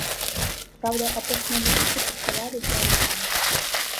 Праўда, апошнія музыкі прыхавалі для альбома.